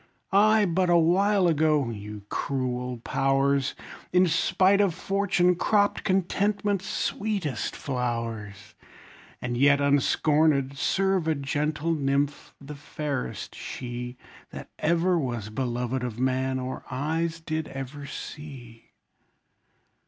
I, but awhile ago, (you cruel powers!) In spite of fortune, cropped contentment's sweetest flowers, And yet unscornèd, serve a gentle nymph, the fairest she, That ever was beloved of man, or eyes did ever see!